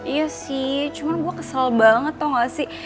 iya sih cuma gue kesel banget tau gak sih